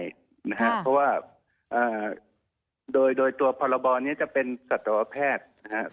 เพราะว่าโดยตัวพบนี้จะเป็นศัตรูแพทย์